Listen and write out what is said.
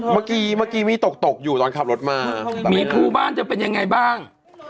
เมื่อกี้เมื่อกี้มีตกตกอยู่ตอนขับรถมามีภูบ้านจะเป็นยังไงบ้าง